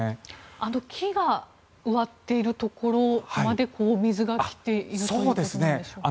あの木が植わっているところまで水が来ているということなんでしょうか。